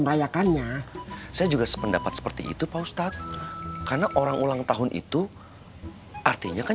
merayakannya saya juga sependapat seperti itu pak ustadz karena orang ulang tahun itu artinya kan